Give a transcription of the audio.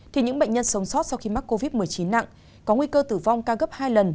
thì những bệnh nhân sống sót sau khi mắc covid một mươi chín nặng có nguy cơ tử vong cao gấp hai lần